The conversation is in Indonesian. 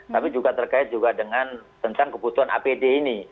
tapi juga terkait juga dengan tentang kebutuhan apd ini